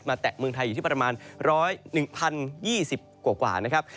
แตะเมืองไทยอยู่ที่ประมาณ๑๐๑๐๒๐กว่านะครับ